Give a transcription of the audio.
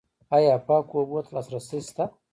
آیا پاکو اوبو ته لاسرسی شته؟